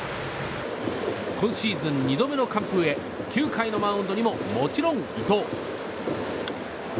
今シーズン２度目の完封へ９回のマウンドにももちろん、伊藤。